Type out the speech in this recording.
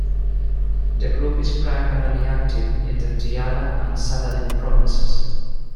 The group is primarily active in the Diyala and Saladin Provinces.